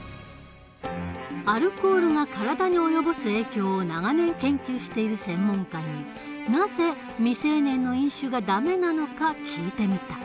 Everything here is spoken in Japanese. アルコールが体に及ぼす影響を長年研究している専門家になぜ未成年の飲酒がダメなのか聞いてみた。